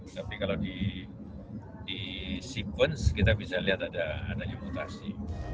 tapi kalau di sekuensi kita bisa lihat ada mutasi